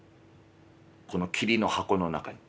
「この桐の箱の中に？